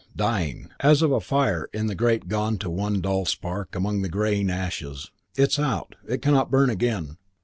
"Dying." As of a fire in the grate gone to one dull spark among the greying ashes. It is out; it cannot burn again.